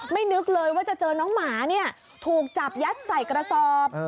นึกเลยว่าจะเจอน้องหมาเนี่ยถูกจับยัดใส่กระสอบ